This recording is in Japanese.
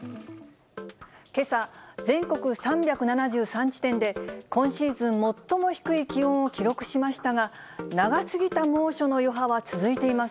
けさ、全国３７３地点で、今シーズン最も低い気温を記録しましたが、長すぎた猛暑の余波は続いています。